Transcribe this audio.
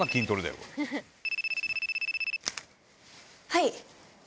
はい。